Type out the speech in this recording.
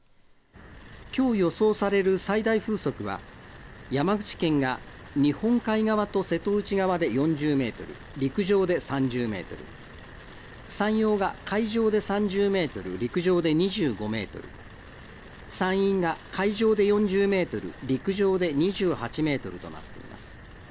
きょう予想される最大風速は山口県が日本海側と瀬戸内側で４０メートル、陸上で３０メートル、山陽が海上で３０メートル、陸上で２５メートル、山陰が海上で４０メートル陸上で２８メートルとなっています。